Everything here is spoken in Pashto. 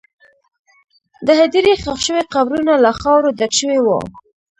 د هدیرې ښخ شوي قبرونه له خاورو ډک شوي وو.